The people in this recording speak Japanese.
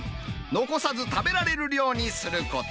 残さず食べられる量にすること。